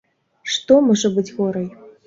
Што можа быць горай?